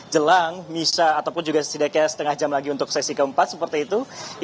jelang misa ataupun juga setidaknya setengah jam lagi untuk sesi keempat seperti itu